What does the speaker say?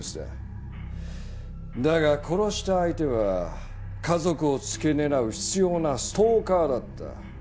だが殺した相手は家族をつけ狙う執拗なストーカーだった。